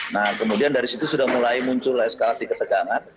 nah kemudian dari situ sudah mulai muncul eskalasi ketegangan